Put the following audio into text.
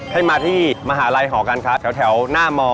ให้มาที่มหาลัยหอการค้าแถวหน้าม